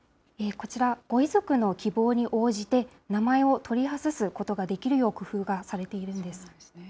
こちら、ご遺族の希望に応じて、名前を取り外すことができるよう、工夫がされているんです。